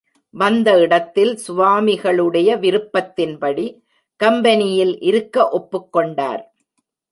வந்த இடத்தில் சுவாமிகளுடைய விருப்பத்தின்படி கம்பெனியில் இருக்க ஒப்புக்கொண்டார்.